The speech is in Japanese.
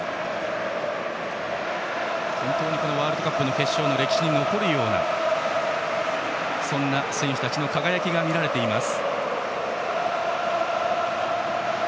ワールドカップの決勝の歴史に残るようなそんな選手たちの輝きが見られています。